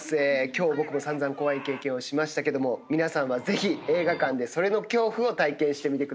今日僕も散々怖い経験をしましたけども皆さんはぜひ映画館で”それ”の恐怖を体験してみてください。